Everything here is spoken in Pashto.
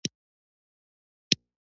یو میلیون مرمۍ راوړل سوي وې.